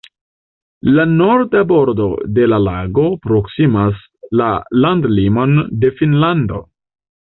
La norda bordo de la lago proksimas la landlimon de Finnlando.